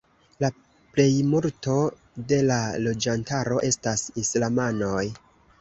La plejmulto de la loĝantaro estas islamanoj.